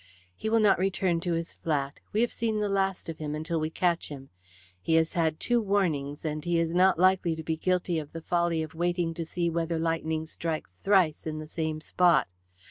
"He will not return to his flat. We have seen the last of him until we catch him. He has had two warnings, and he is not likely to be guilty of the folly of waiting to see whether lightning strikes thrice in the same spot.